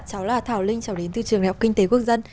cháu là thảo linh cháu đến từ trường đại học kinh tế quốc dân